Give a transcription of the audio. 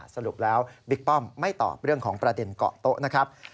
สรุปแล้วบิ๊กป้อมไม่ตอบเรื่องของประเด็นเกาะโต๊ะนะครับ